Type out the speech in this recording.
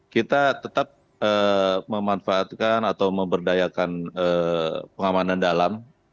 kita tetap memanfaatkan atau memberdayakan pengamanan dalam